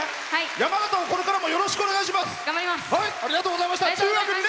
山形をこれからもよろしくお願いします！